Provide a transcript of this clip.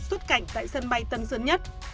xuất cảnh tại sân bay tân sơn nhất